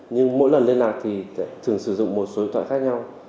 nhưng mỗi lần liên lạc thì thường sử dụng một số loại khác nhau